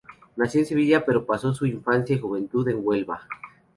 Nació en Sevilla pero pasó su infancia y juventud en Huelva.